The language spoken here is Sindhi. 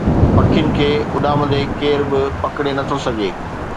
پکين کي اڏامندي ڪير به پڪڙي نٿو سگهي